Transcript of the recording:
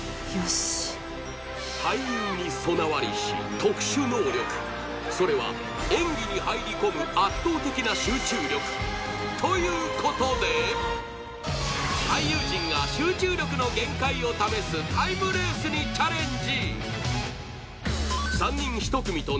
俳優に備わりし特殊能力、それは演技に入り込む圧倒的な集中力。ということで、俳優陣が集中力の限界を試すタイムレースにチャレンジ。